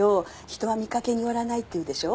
人は見かけによらないって言うでしょ？